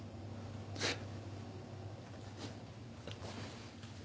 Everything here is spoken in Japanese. フッ。